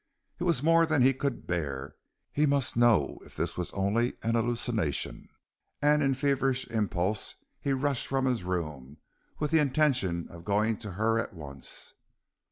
It was more than he could bear. He must know if this was only an hallucination, and in a feverish impulse he rushed from his room with the intention of going to her at once.